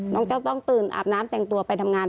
ต้องตื่นอาบน้ำแต่งตัวไปทำงาน